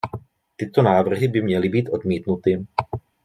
Tyto návrhy by měly být odmítnuty.